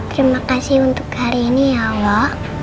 terima kasih untuk hari ini ya allah